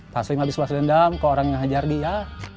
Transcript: taslim habis habis dendam ke orang yang hajar dia